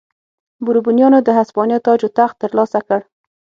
بوروبونیانو د هسپانیا تاج و تخت ترلاسه کړ.